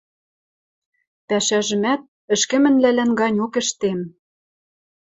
Пӓшӓжӹмӓт ӹшкӹмӹнвлӓлӓн ганьок ӹштем...